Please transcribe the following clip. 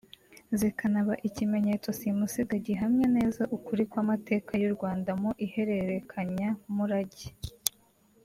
zikanaba ikimenyetso simusiga gihamya neza ukuri kw’amateka y’u Rwanda mu iherekanyamurage